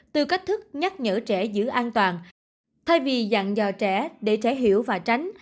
từ cách thức nhắc nhở trẻ giữ an toàn thay vì dặn dò trẻ để trẻ hiểu và tránh